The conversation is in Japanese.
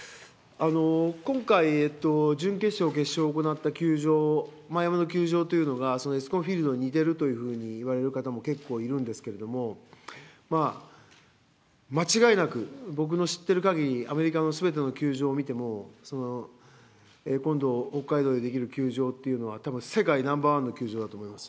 今回、準決勝、決勝を行った球場、前の球場というのがエスコンフィールドに似てるというふうにいわれる方も結構いるんですけども、間違いなく、僕の知っているかぎり、アメリカのすべての球場を見ても、今度、北海道に出来る球場っていうのは、たぶん世界ナンバー１の球場だと思います。